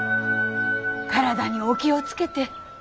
体にお気を付けて。